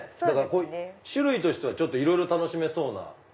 だから種類としてはいろいろ楽しめそうな。